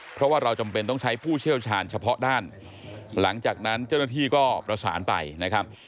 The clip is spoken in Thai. เพราะว่าเราจำเป็นต้องใช้ผู้เชี่ยวชาญเฉพาะด้านหลังจากนั้นเจ้าหน้าที่ก็ประสานไปนะครับ